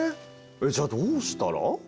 じゃあどうしたら？